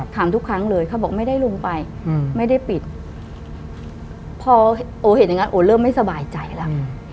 ถามทุกครั้งเลยเขาบอกไม่ได้ลงไปไม่ได้ปิดพอโอเห็นอย่างนั้นโอเริ่มไม่สบายใจแล้ว